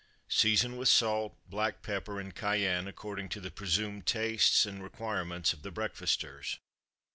Season with salt, black pepper, and cayenne, according to the (presumed) tastes and requirements of the breakfasters.